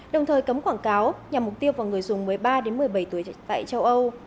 đồng thời cấm quảng cáo nhằm mục tiêu vào người dùng một mươi ba một mươi bảy tuổi tại châu âu